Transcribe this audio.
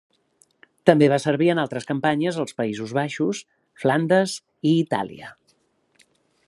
També va servir en altres campanyes als Països Baixos, Flandes i Itàlia.